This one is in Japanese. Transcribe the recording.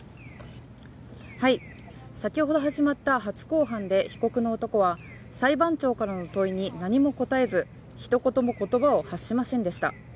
先ほど始まった初公判で被告の男は裁判長からの問いに何も答えずひと言も言葉を発しませんでした。